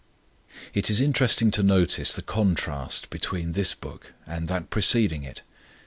It is interesting to notice the contrast between this book and that preceding it.